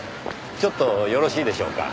ちょっとよろしいでしょうか？